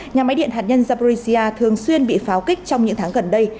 nhà máy điện hạt nhân zaburicia thường xuyên bị pháo kích trong những tháng gần đây